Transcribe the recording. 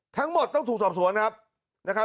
ทั้งหมดต้องถูกสอบสวนครับนะครับ